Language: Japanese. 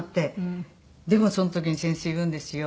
でもその時に先生言うんですよ。